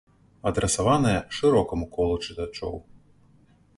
Адрасаванае шырокаму колу чытачоў.